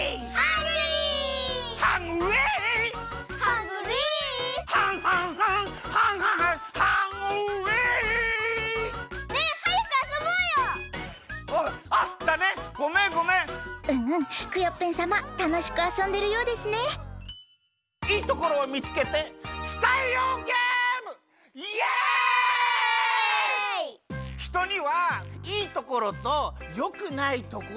ひとにはいいところとよくないところがありますよね？